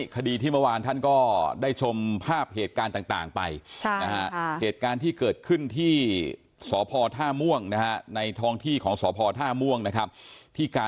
คดีที่เมื่อวานท่านก็ได้ชมภาพเหตุการณ์ต่างไปนะฮะ